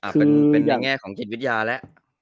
เป็นแแง่ของศิลป์วิทยาละ